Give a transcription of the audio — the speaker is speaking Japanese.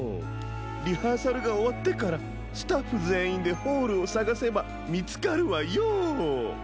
リハーサルがおわってからスタッフぜんいんでホールをさがせばみつかるわよ。